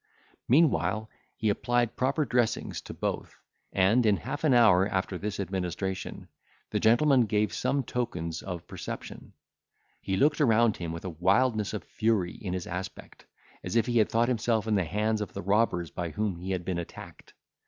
Meanwhile, he applied proper dressings to both; and, in half an hour after this administration, the gentleman gave some tokens of perception. He looked around him with a wildness of fury in his aspect, as if he had thought himself in the hands of the robbers by whom he had been attacked.